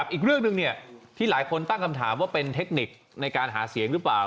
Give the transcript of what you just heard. อีกเรื่องหนึ่งที่หลายคนตั้งคำถามว่าเป็นเทคนิคในการหาเสียงหรือเปล่า